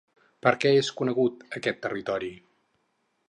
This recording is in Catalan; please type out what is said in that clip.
Per què és conegut aquest territori?